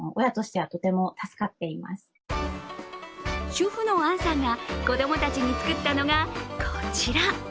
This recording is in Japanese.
主婦のあんさんが子供たちに作ったのが、こちら。